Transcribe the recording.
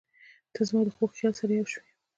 • ته زما د خوږ خیال سره یوه شوې.